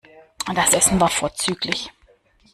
Das Essen war vorzüglich.